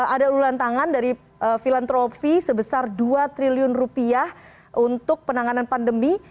ada ululan tangan dari filantropi sebesar dua triliun rupiah untuk penanganan pandemi